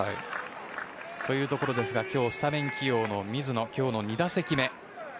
というところですが今日スタメン起用の水野今日の２打席目。